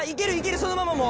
そのままもう。